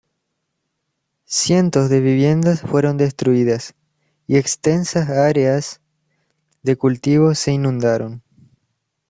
Cientos de viviendas fueron destruidas, y extensas áreas de cultivo se inundaron.